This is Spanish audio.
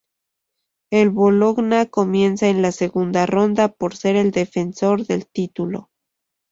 El Bologna comienza en la segunda ronda por ser el defensor del título.